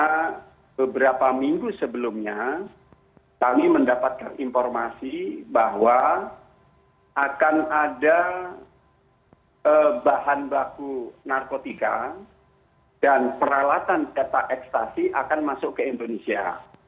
karena beberapa minggu sebelumnya kami mendapatkan informasi bahwa akan ada bahan baku narkotika dan peralatan data ekstasi akan masuk ke indonesia